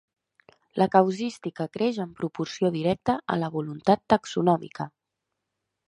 La casuística creix en proporció directa a la voluntat taxonòmica.